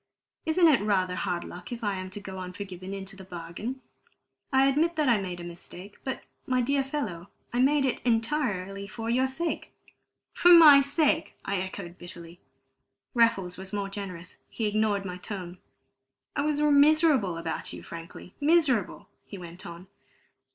Isn't it rather hard luck if I am to go unforgiven into the bargain? I admit that I made a mistake; but, my dear fellow, I made it entirely for your sake." "For my sake!" I echoed bitterly. Raffles was more generous; he ignored my tone. "I was miserable about you frankly miserable!" he went on.